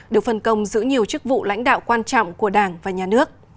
được phân công giữ nhiều chức vụ lãnh đạo quan trọng của đảng và nhà nước